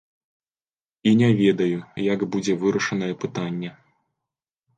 І не ведаю, як будзе вырашанае пытанне.